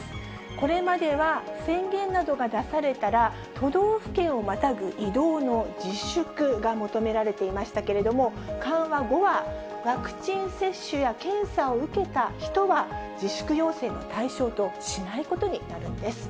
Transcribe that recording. これまでは宣言などが出されたら、都道府県をまたぐ移動の自粛が求められていましたけれども、緩和後は、ワクチン接種や検査を受けた人は自粛要請の対象としないことになるんです。